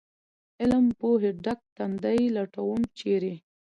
علم پوهې ډک تندي لټوم ، چېرې ؟